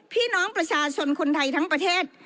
พี่น้องประชาชนคนไทยทั้งประเทศ